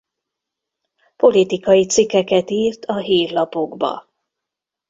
Politikai cikkeket írt a hírlapokba.